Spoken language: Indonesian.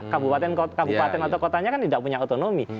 kabupaten kabupaten atau kotanya kan tidak punya otonomi